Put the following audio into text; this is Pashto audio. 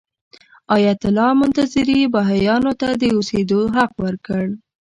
ایت الله منتظري بهايانو ته د اوسېدو حق ورکړ.